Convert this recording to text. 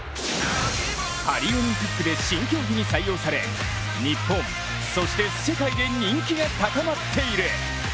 パリ・オリンピックで新競技に採用され日本そして世界で人気が高まっている！